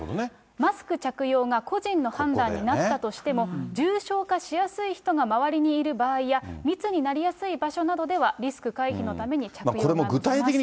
マスク着用が個人の判断になったとしても、重症化しやすい人が周りにいる場合や、密になりやすい場所などではリスク回避のために着用が望ましいと。